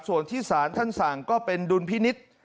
ส่วนที่สารท่านสั่งก็เป็นดุลพินิษฐ์